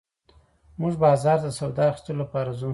موږ بازار ته د سودا اخيستلو لپاره ځو